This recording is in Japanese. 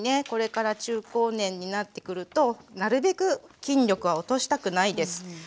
これから中高年になってくるとなるべく筋力は落としたくないです。